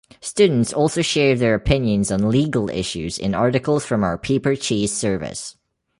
Students also share their opinions on legal issues in articles from our PaperChase service.